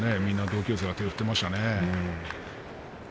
飛行機の窓からみんな同級生が手を振っていましたね。